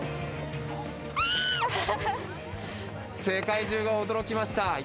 世界中が驚きました。